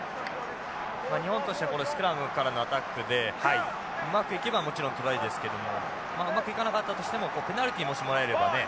日本としてはこのスクラムからのアタックでうまくいけばもちろんトライですけどもうまくいかなかったとしてもペナルティをもしもらえればね